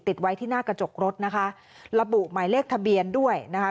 ติดไว้ที่หน้ากระจกรถนะคะระบุหมายเลขทะเบียนด้วยนะคะ